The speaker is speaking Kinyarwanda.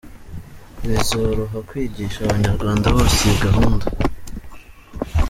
, bizoroha kwigisha Abanyarwanda bose iyi gahunda.